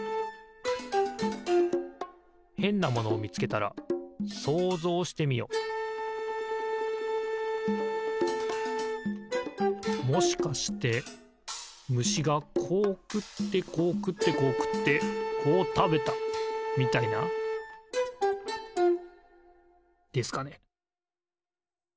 へんなものをみつけたら想像してみよもしかしてむしがこうくってこうくってこうくってこうたべたみたいな？ですかね